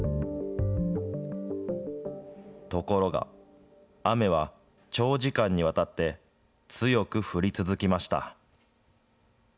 ところが、雨は長時間にわたって強く降り続きました。